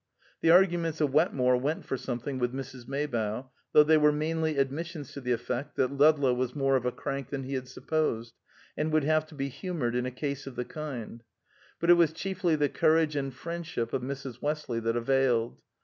The arguments of Wetmore went for something with Mrs. Maybough, though they were mainly admissions to the effect that Ludlow was more of a crank than he had supposed, and would have to be humored in a case of the kind; but it was chiefly the courage and friendship of Mrs. Westley that availed.